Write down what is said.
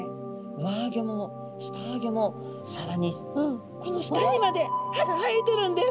上あギョも下あギョもさらにこの舌にまで歯が生えてるんです。